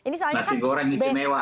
nasi goreng istimewa